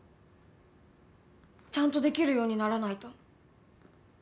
ちゃんとできるようにならないと。